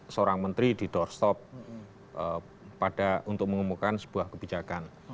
seorang menteri di doorstop untuk mengumumkan sebuah kebijakan